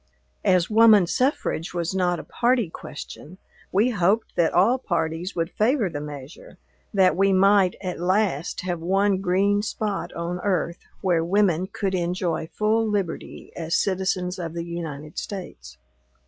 As woman suffrage was not a party question, we hoped that all parties would favor the measure; that we might, at last, have one green spot on earth where women could enjoy full liberty as citizens of the United States.